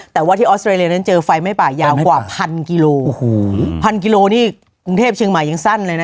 แต่ว่าที่ออสเตรเลียนั้นเจอไฟไหม้ป่ายาวกว่าพันกิโลโอ้โหพันกิโลนี่กรุงเทพเชียงใหม่ยังสั้นเลยนะ